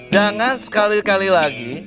jangan sekali kali lagi